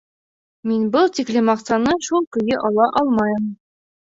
Мин был тиклем аҡсаны шул көйө ала алмайым...